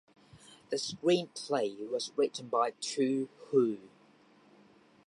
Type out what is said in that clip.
The screenplay was written by Tu Hu.